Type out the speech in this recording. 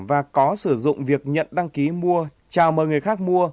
và có sử dụng việc nhận đăng ký mua chào mời người khác mua